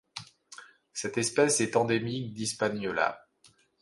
Cette espèce est endémique d'Hispaniola.